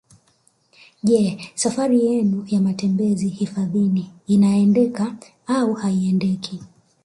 Je safari yenu ya matembezi hifadhini inaendeka au haiendeki